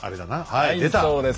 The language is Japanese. はいそうです。